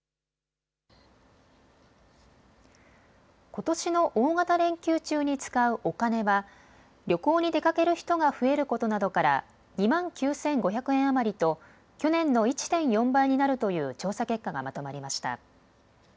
ことしの大型連休中に使うお金は旅行に出かける人が増えることなどから２万９５００円余りと去年の１．４倍になるという調査結果がまとまりました。